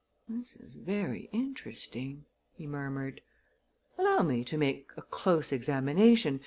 "This is very interesting," he murmured. "Allow me to make a close examination.